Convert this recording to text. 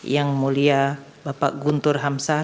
yang mulia bapak guntur hamsah